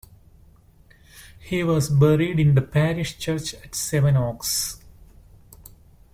He was buried in the Parish Church at Sevenoaks.